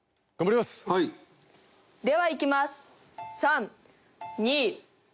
ではいきます。